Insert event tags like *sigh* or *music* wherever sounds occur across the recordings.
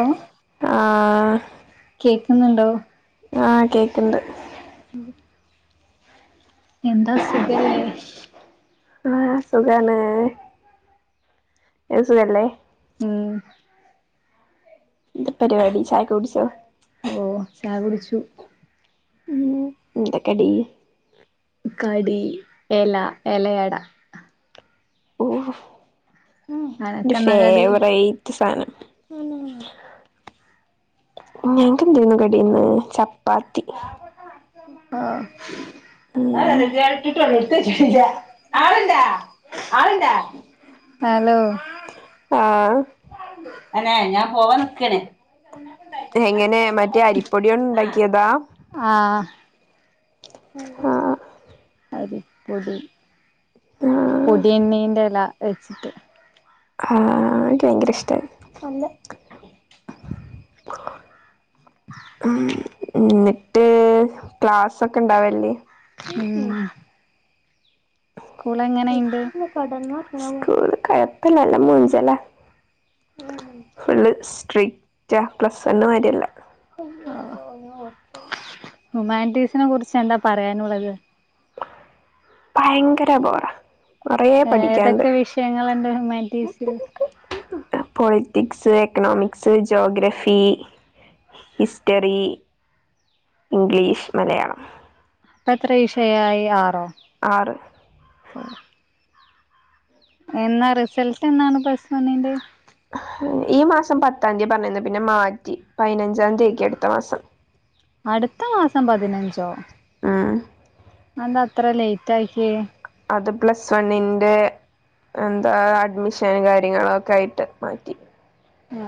law ആഹ് കേക്കുന്നുണ്ടോ ആഹ് കേക്ണ്ട് ഉം എന്താ സുഖല്ലേ ആഹ് സുഖാണ് എ സുഖല്ലേ ഉം എന്താ പരിവാടി ചായൊക്കെ കുടിച്ചോ ഓ ചാ കുടിച്ചു ഉംഎന്താ കടി കടി എല എലയട ഓ ഇന്റെ അനക്കെന്നാ കടി ഫേവറേറ്റ് സാനം ആ ഞങ്ങക്ക് എന്തേന്നു കടിയിന്ന് ചപ്പാത്തി ആഹ് ഉം ആള്ണ്ടാ ആള്ണ്ടാ ഹലോ ആ എങ്ങനെ മറ്റേ അരിപ്പൊട്യോണ്ട് ഇ ണ്ടാക്കിയതാ ആഹ് ആഹ് അരിപ്പൊടി ആഹ് പൊടിയണ്ണിന്റെല വച്ച്ട്ട് ആഹ് ഇനിക്ക് ഭയങ്കര ഇഷ്ട മ് ഇന്നിട്ട് ക്ലാസ് ഒക്കെ ഇണ്ടാവല്ല്യേ സ്കൂൾ എങ്ങനെ ഇണ്ട് സ്കൂൾ കൊഴപ്പല്ലാ അല്ല മൂഞ്ചലാ ഫുള്ള് സ്ട്രിക്റ്റാ പ്ലസ് വണ്ണ് മാരിയല്ല അന്ന ഓർത്തത് ഹുമാൻറ്റീസിനെ കുറിച്ച് എന്താ പറയാനുള്ളത് ഭയങ്കര ബോറാ കൊറേ പഠിക്കാണ്ട് ഏതൊക്കെ വിഷയങ്ങൾ ഇണ്ട് ഹുമാൻറ്റീസിൽ politics economics geography history English Malayalam ഇപ്പ എത്ര വിഷയായി ആറോ ആറ് എന്നാ റിസൾട്ട് എന്നാണ് പ്ലസ് വണ്ണിന്റെ ഈ മാസം പത്താന്തിയാ പറഞ്ഞീന്ന് പിന്നെ മാറ്റി പയിനഞ്ചാം തീ ആക്കി അടുത്ത മാസം അടുത്ത മാസം ഉം അഅ് എന്താ അത്ര ലേറ്റ് ആക്കിയേ അത് പ്ലസ് വണ്ണിന്റെ എന്താ അഡ്മിഷൻ കാര്യങ്ങള ഒക്കെ ആയിട്ട് മാറ്റി ഉം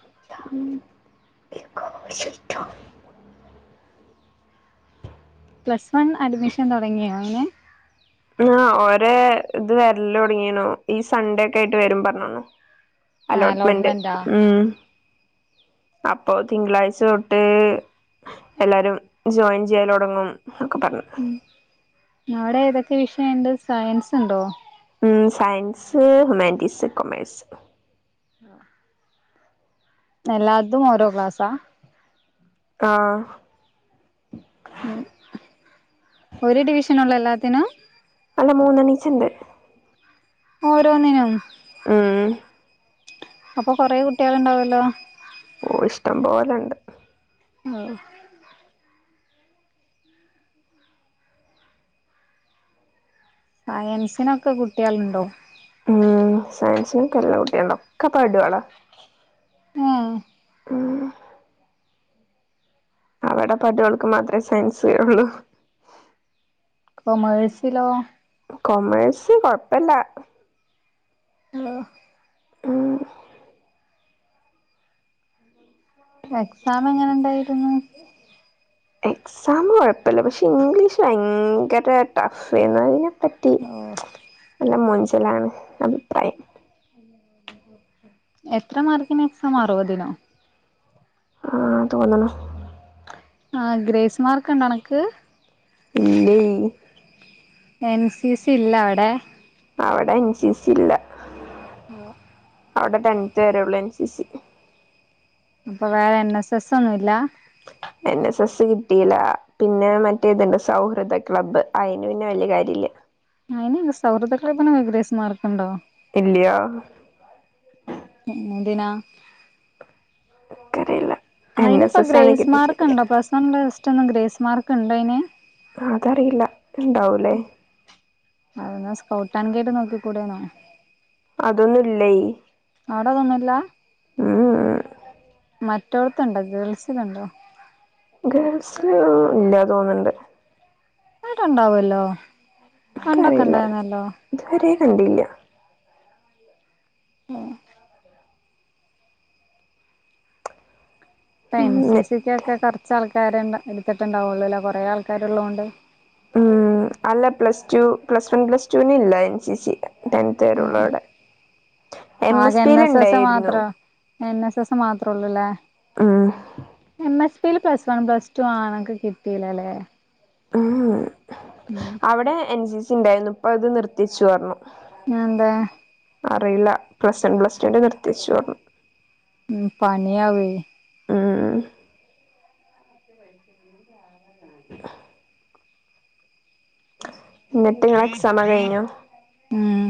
*unintelligible* പ്ലസ് വൺ അഡ്മിഷൻ തുടങ്ങിയോ അയ്ന് *inaudible* ആ ഒരേ ഇത് വരലൊട്ങ്ങീണു ഈ സൺഡേക്കായിട്ട് വരും പറഞ്ഞണ്ണു ആ അലോട്ട്മെന്റ് അലോട്ട്മെന്റാ ഉം അപ്പൊ തിങ്കളാഴ്ച തൊട്ട് എല്ലാരും ജോയിൻ ചെയ്യലൊടങ്ങും ഒക്കെ പറഞ്ഞു നവിടെ ഏതൊക്കെ വിഷയണ്ട് സയൻസ്ണ്ടോ ഉം സയൻസ് ഹ്യുമാനീറ്റീസ് കൊമേഴ്സ് ആ എല്ലാതും ഓരോ ക്ലാസ്സാ ആ ത്തിന അല്ല മൂന്നണീച്ചണ്ട് ഓരോന്നിനും അപ്പൊ കൊറെേ കുട്ടികള്ണ്ടാവല്ലോ ഓ ഇഷ്ടംപോലണ്ട് ഓ സയൻസിനൊക്കെ കുട്ടികളുണ്ടോ ഉം സരി *unintelligible* കുട്ടിയുണ്ടും ക്കപടോള ആ അവടെ പടോൾക്ക് മാത്രേ സയൻസ് *unintelligible* കൊമേഴ്സിലോ കൊമേഴസ് കൊഴപ്പല്ല ഹലോ ആ എക്സാം എങ്ങനെണ്ടായിരുന്നു എക്സാം കൊഴപ്പല്ല പക്ഷെ ഇംഗ്ലീഷ് ഭയങ്കര ടഫേന്ന് പറ്റി ഓ നല്ല മൊഞ്ച് ലാണ് അഭിപ്രായം എത്ര മാർക്കിന് എക്സാം അറുപതിനോ ആ തോന്നണു ആ ഗ്രേസ്മാർക്കുണ്ടണക്ക് ഇല്ലേയ് എൻ സി സി ഇല്ലവടെ അവടെ എൻ സി സില്ല മ് അവ്ടെ ടെൻത്ത് വരെള്ളു എൻ സി സി അപ്പൊ വേ എൻ എസ് എസ് ഒന്നു ഇല്ല എൻ എസ് എസ് കിട്ടിയില്ല പിന്ന മറ്റേ ത്ണ്ട് സൗഹൃദ ക്ലബ് അയ്ന് പിന്നെ വല്ല്യ കാര്യ ഇല്ല അയ്ന് നെ സൗഹൃദക്ലബ്നൊക ഗ്രേസ് മാർക്കുണ്ടോ ഇല്ല്യാ പിന്നെന്തിനാ ക്കറീല അയ്ന്പ്പ ഗ്രേസ്മാർക്ക്ണ്ടോ പ്ലസ് വൺ പ്ലസ് ടു ന്നും ഗ്രേസ് മാർക്ക് ണ്ടയ്ന് അതറിയില്ല ണ്ടാവൂലേ അതാ സ്കൗട്ട് ആൻ ഗേട് നോക്കിക്കൂടെനോ അതൊന്നു ല്ലയ് അവിടെ അത്‌ ഒന്നുമില്ലാ ഏ ഏ മറ്റോട്ത്ത് ണ്ടോ ഗേൾസില്ണ്ടോ ഗേൾസില് ഇല്ലാ തോന്ന്ണ്ട് അവിടെ ഇണ്ടാവുവല്ലോ പണ്ടൊക്കെ എനിക്കറിയില്ല ഉൺണ്ടായിനല്ലോ ഇതുവരെ കണ്ടില്ല മ് പ്പ എൻ ഉം സി സി കൊക്കെ കർ ർച്ചാൾക്കാരെ ണ്ട എട്ത്തിട്ട്ണ്ടാവുള്ളൂലേ കൊറേ ആൾക്കാര്ള്ളോണ്ട് ഉം അല്ല plus two plus one plus ടൂനി ഇല്ല എൻ സി സി ടെൻത്ത് ഉം വരെയുള്ളവിടെ എം ആകെ എൻ പിൽ എസ് എസ് ഉണ്ടായിരുന്നു മാത്രൊ എൻ എസ് എസ് മാത്രോ ള്ളുലേ ഉം എം എച് പ്പീല് പ്ലസ് വൺ പ്ലസ് ടു ആണൊക്ക കിട്ടീലലേ ഏ ഏ അവ്ടെ എൻ സി സി ണ്ടായിര്ന്നു പ്പൊ അത് നിർത്തി വെച്ചുപറഞ്ഞു അത്‌ എന്താ അറിയില്ല പ്ലസ് വൺ പ്ലസ് ടു ന്റെ നിർത്തി വെച്ചു പറഞ്ഞു ഉം പണി ആവുഏ ആ ഇങ്ങട്ട് ഇങ്ങളെ എക്സാമ് കയ്ഞൊ മ്മ്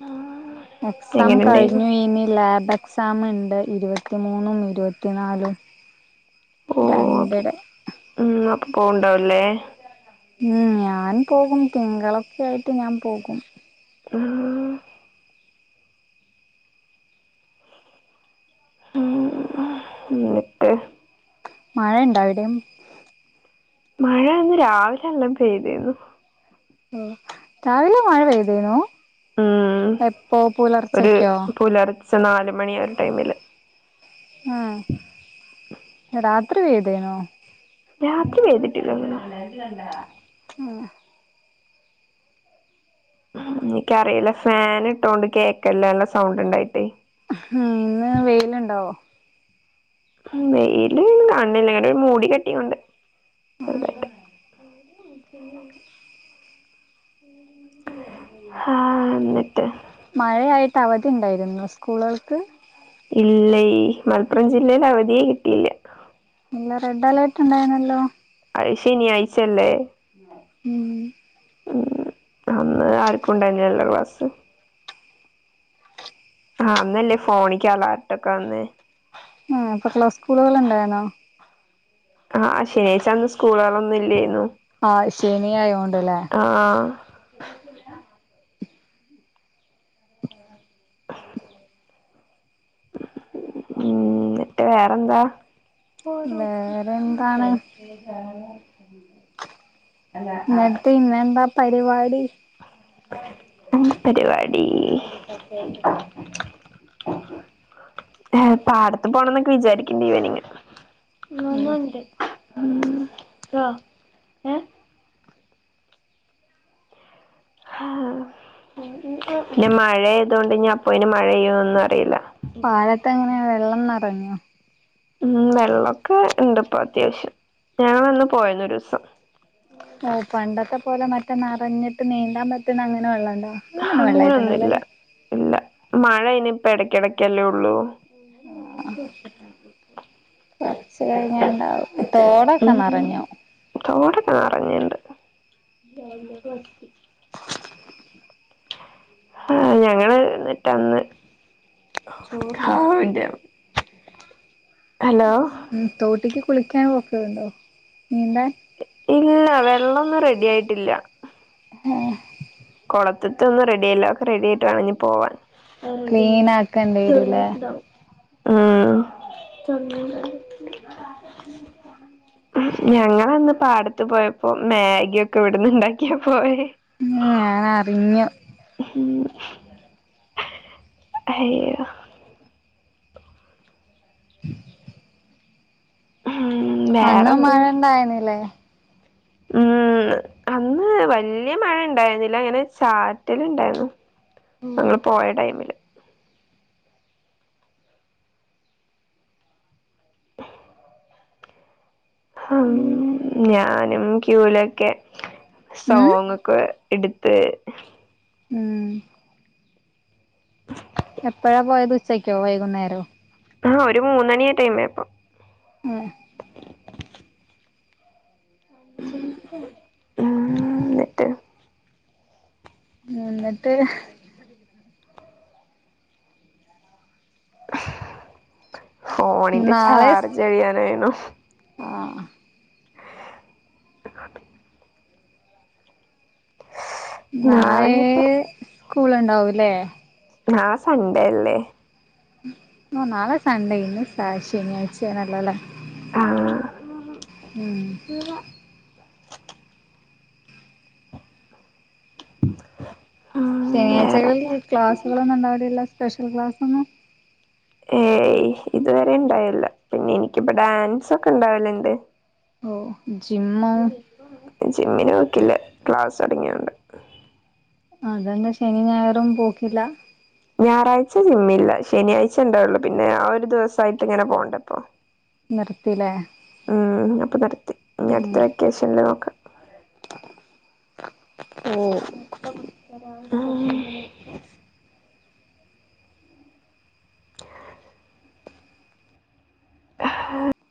മ്മ് എക്സാം കഴിഞ്ഞു ഇനി ലാബ് എക്സ് ക്സാമ് ണ്ട് ഇരുപത്തിമൂന്നും ഇരുപത്തിനാലും രണ്ട് ഡേ പോവ്ണ്ടാവല്ലേ ഉം ഞാൻ പോകും തിങ്കളൊക്കെ ആയിട്ട് ഞാൻ പോകും ആഹ ഉം എന്നിട്ട് മഴ ഇണ്ടാ അവിടെ മഴ ഇന്ന് രാവിലെ എല്ലം പെയ്തിനു ഓ രാവിലെ മഴ പെതേനു ഉം ഒരു പുലർച്ച നാല് മണി ഒരു ടൈമില് ആഹ് രാത്രി വേദേനോ രാത്രി വെതിട്ടില്ലന്ന് ഉം എനിക്കറിയില്ല ഫാൻ ഇട്ടോണ്ട് കേക്കല്ലഎല്ലാം സൗണ്ട് ഉണ്ടായിട്ടേ ഉം ഇന്ന് വെയിലുണ്ടാവോ വെയില് അണ് *unintelligible* ഒരു മൂടി കെട്ടിയ കൊണ്ട് മം ആഹ എന്നിട്ട് മഴയായിട്ട് അവധി ഉണ്ടായിരുന്നു സ്കൂളുകൾക്ക് ഇല്ല മലപ്പുറം ജില്ലേല് അവധിയേ കിട്ടിയില്ല ഇല്ല റെഡ് അലേർട്ട് ഉണ്ടായിന്നല്ലോ അത് ശനി ആഴ്ച്ചല്ലേ മം ഉം അന്ന് ആർക്കും ഉണ്ടായിനല്ലേ ക്ലാസ്സ് ആ അന്നല്ലേ ഫോണക്ക് അലാർട്ടൊക്കെ വന്നേ ആ ഇപ്പൊ ക്ലാസ്സ് സ്കൂളുകൾ ഉണ്ടായിന്നോ ആഹ് ശനിആഴ്ച്ച അന്ന് സ്കൂളുകളൾ ഒന്നും ഇന്ന് ഇല്ലേനു ആഹ ശനിയായോണ്ടല്ലേ ആഹ് *inaudible* ഉം ഇനിട്ട് വേറെന്താ ഓര് ഉച്ചത്ത വേറെ എന്താണ് *unintelligible* *inaudible* എന്നിട്ട് ഇന്ന് എന്താ പരിപാ എന്ത് പരിപാടി പാടത്ത് പോണം എന്ന്ക്കെ വിചാരിക്കണ്ടി ഇവനിംങ്ങ് ഞനു ഒണ്ട് മം ന്താ ഏ ഹാ പിന്നെ മഴ ആയത് കൊണ്ട് അപ്പോ ഇന് മഴെയ്യോന്നും അറിയില്ല പാലത്ത് എങ്ങനെയ വെള്ളം നെ പഞ്ഞോ ഉം വെള്ളൊക്കെ ഇണ്ട് ഇപ്പ അത്യാവശ്യം ഞാ വന്ന് പോ യാര്ന്ന് ഒരുസം ഓ പണ്ടത്തെ പോലെ മറ്റേ നെറഞ്ഞിട്ട് നീന്താൻ പറ്റുന്ന അങ്ങനെ വെള്ളൊണ്ടോ അങ്ങനെയൊന്നും അങ്ങനൊന്നുല്ല വെള്ളായിട്ടുണ്ടാവില്ലാല്ലേ ഇല്ല മഴ ഇനിയിപ്പ ഇടയ്ക്കിടക്കല്ലേ ഒള്ളൂ ആ കൊറച്ച് കഴിഞ്ഞ് ഇണ്ടാവും തോടൊക്കെ നിറഞ്ഞു നെറഞ്ഞിണ്ട് ആ ഞങ്ങള് എന്നിട്ടന്ന് *unintelligible* ഉം തോട്ടിക്ക് കുളിക്കാൻ പോക്കതുണ്ടോ ഇല്ല വെള്ളൊന്നും റെഡിയായിട്ടില്ല ആ കൊളത്തത്ത് ഒന്നും റെഡിയല്ല ഒക്കെ റെഡിയായിട്ട് വേണം ഇനി പോവാൻ *inaudible* ക്ലീൻ ആക്കേണ്ടി വരൂല്ലേ മം ഞങ്ങളന്ന് പാടത്ത് പോയപ്പോൾ മാഗിയാക്കെ ഇവിടുന്ന് ഇണ്ടാക്കിയാ പോയേ ഉം *unintelligible* അയ്യോ ഉം അന്ന് മഴ വേറെന്തന്നിട്ട് ഇണ്ടായിരുന്നില്ലേ ഉം അന്ന് വല്യ മഴ ഇണ്ടായിരുന്നില്ല അങ്ങനെ ചാറ്റല് ഇണ്ടായിരുന്നു ഞങ്ങൾ പോയ ടൈമില് ഹം ഞാനും ക്യൂവിലൊക്കെ ഉം സോങ് ഒക്കെ എട്ത്ത് ഉം എപ്പോഴാ പോയത് ഉച്ചയ്ക്കോ വൈകുന്നേരോ ആ ഒരു മൂന്നണി ടൈമായപ്പം ഉം ഉം എന്നിട്ട് എന്നിട്ട് ഫോണിന്റെ ചാർജ് കഴിയാറായി ആ *unintelligible* നാളേ നാളെഞ്ഞിപ്പോ സ്കൂള് ഉണ്ടാവൂല്ലേ ആഹ് സൺഡേ അല്ലേ ഉം നാളെ സണ്ടേ ഇന്ന് സ ശനിയാഴ്ച ആണല്ലോ ലേ ആഹ് ഉം ഉം വേറെന്താ ശനിയാഴ്ചകളിൽ ക്ലാസുകളൊന്നും ഉണ്ടാവില്ലല്ലോ സ്പെഷ്യൽ ക്ലാസ്സ് ഉം ഏയ് ഇതുവരെ ഇണ്ടാവില്ല പിന്നെ എനിക്കിപ്പ ഡാൻസ് ഒക്കെ ഇണ്ടാവല് ണ്ട് ഓ ജിമ്മിന് പോക്കില്ല ക്ലാസ് ചടങ്ങിയുണ്ട് അതന്നെ ശനി ഞായറും പോക്കില്ല ഞായറാഴ്ച ജിമ്മില്ല ശനിയാഴ്ച ഉണ്ടാവുള്ളു പിന്നെ ആ ഒരു ദിവസായിട്ട് ഇങ്ങനെ പോവണ്ടേ പ്പോ നിർത്തില്ലേ ഉം അപ്പൊ നടത്തി ഇനി അടുത്ത ഉം വെക്കേഷനില് നോക്കാം *inaudible* മത്ത പുത്തരാ *inaudible* *unintelligible*